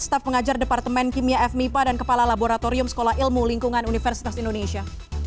staff pengajar departemen kimia fmipa dan kepala laboratorium sekolah ilmu lingkungan universitas indonesia